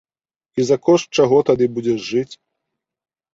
І за кошт чаго тады будзеш жыць?